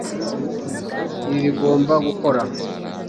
ibi bigomba gukora